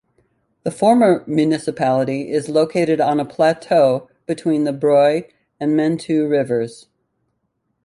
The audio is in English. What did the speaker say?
The former municipality is located on a plateau between the Broye and Mentue rivers.